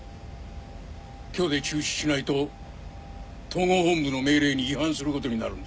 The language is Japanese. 今日で中止しないと統合本部の命令に違反することになるんです